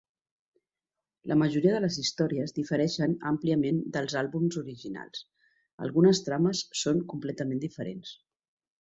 La majoria de les històries difereixen àmpliament dels àlbums originals; algunes trames són completament diferents.